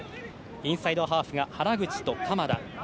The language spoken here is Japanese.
インサイドハーフが原口と鎌田。